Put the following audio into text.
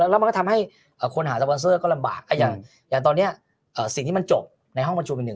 แล้วมันก็ทำให้คนหาสปอนเซอร์ก็ลำบากอย่างตอนนี้สิ่งที่มันจบในห้องประชุมเนี่ย